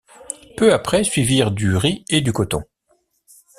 Peu après suivirent du riz et du coton.